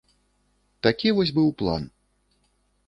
Такі вось быў план.